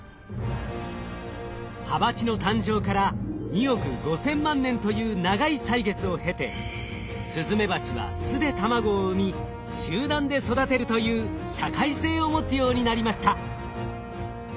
ハバチの誕生から２億５，０００万年という長い歳月を経てスズメバチは巣で卵を産み集団で育てるという社会性を持つようになりました。